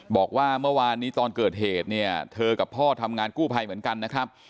บอกว่าเมื่อวานนี้ตอนเกิดเหตุเนี่ยเธอกับพ่อทำงานกู้ภัยเหมือนกันนะครับ